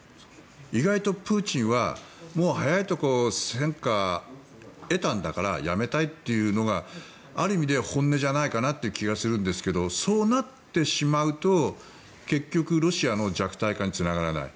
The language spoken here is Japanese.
意外とプーチンは、もう早いとこ戦果を得たんだからやめたいというのがある意味で本音じゃないかなという気がするんですがそうなってしまうと、結局ロシアの弱体化につながらない。